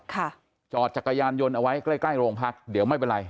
จอดจักรยานยนต์เอาไว้ใกล้ใกล้โรงพักเดี๋ยวไม่เป็นไร